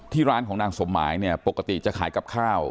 ร้านของนางสมหมายเนี่ยปกติจะขายกับข้าว